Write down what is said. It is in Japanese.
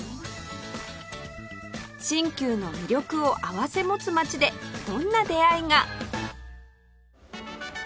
新旧の魅力を併せ持つ街でどんな出会いが